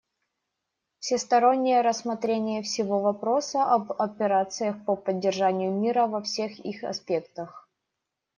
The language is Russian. Всестороннее рассмотрение всего вопроса об операциях по поддержанию мира во всех их аспектах.